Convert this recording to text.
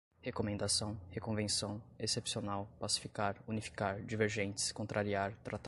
recomendação, reconvenção, excepcional, pacificar, unificar, divergentes, contrariar, tratado